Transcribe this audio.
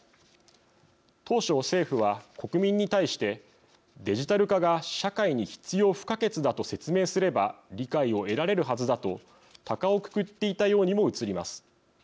当初、政府は、国民に対してデジタル化が社会に必要不可欠だと説明すれば理解を得られるはずだとたかをくくっていたようにも映ります。